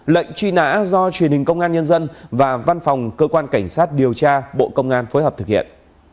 lệnh truy nã do truyền hình công an nhân dân và văn phòng cơ quan cảnh sát điều tra bộ công an phối hợp thực hiện